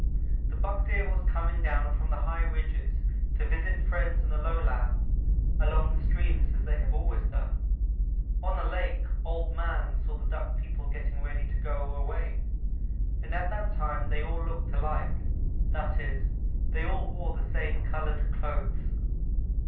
The buck deer was coming down from the high ridges to visit friends in the lowlands along the streams as they have always done. On a lake Old man saw the Duck people getting ready to go away, and at that time they all looked alike; that is, they all wore the same colored clothes.